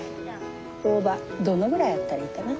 オオバどのぐらいあったらいいかな。